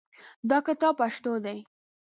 دا کتاب پښتو دی